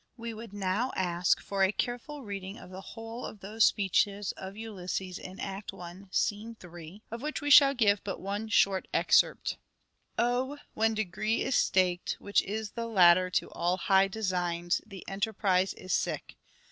An We would now ask for a careful reading of the whole aristocratic ,,__,. T , composition, of those speeches of Ulysses in Act I, scene 3, of which we shall give but one short excerpt :" 0 ! when degree is staked, Which is the ladder to all high designs, The enterprise is sick.